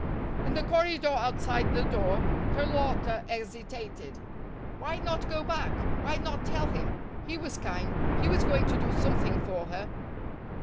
In the corridor outside the door Carlotta hesitated. Why not go back? Why not tell him? He was kind; he was going to do something for her.